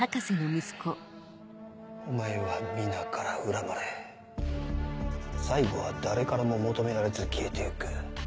お前は皆から恨まれ最後は誰からも求められず消えて行く。